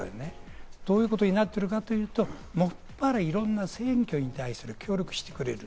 どういうことになっているかというと、いろんな選挙に対する協力をしてくれる。